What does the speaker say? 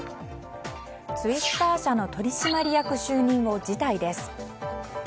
ツイッター社の取締役就任を辞退です。